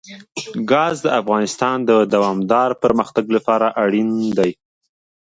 ګاز د افغانستان د دوامداره پرمختګ لپاره اړین دي.